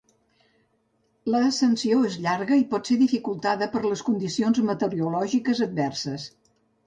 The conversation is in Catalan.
L'ascensió és llarga i pot ser dificultada per les condicions meteorològiques adverses.